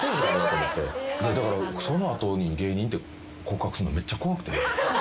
だからその後に芸人って告白するのめっちゃ怖くて。